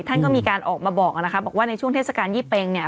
ท่านก็มีการออกมาบอกนะคะบอกว่าในช่วงเทศกาลยี่เป็งเนี่ย